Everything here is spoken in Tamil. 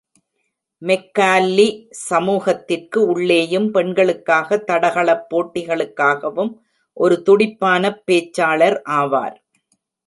மெக்கால்லி சமூகத்திற்கு உள்ளேயும் பெண்களுக்காக தடகளப் போட்டிகளுக்காகவும், ஒரு துடிப்பானப் பேச்சாளார் ஆவார்.